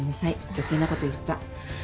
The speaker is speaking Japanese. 余計なこと言った。